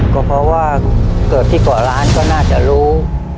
ก็เพราะว่าเกิดที่เกาะล้านก็น่าจะรู้